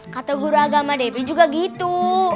kata guru agama dp juga gitu